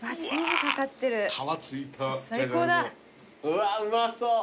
うわうまそう！